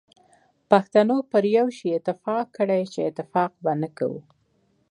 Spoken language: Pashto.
پښتنو پر یو شی اتفاق کړی چي اتفاق به نه کوو.